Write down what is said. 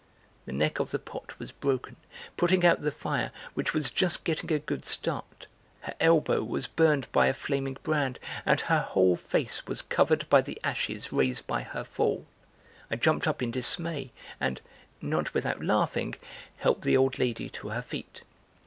The neck of the pot was broken, putting out the fire, which was just getting a good start, her elbow was burned by a flaming brand, and her whole face was covered by the ashes raised by her fall. I jumped up in dismay and, not without laughing, helped the old lady to her feet.